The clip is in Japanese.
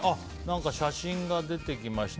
写真が出てきました。